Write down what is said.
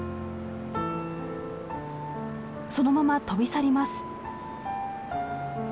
そのまま飛び去ります。